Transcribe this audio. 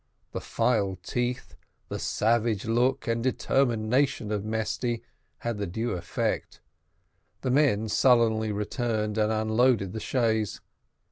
The filed teeth, the savage look, and determination of Mesty, had the due effect. The men sullenly returned and unloaded the chaise.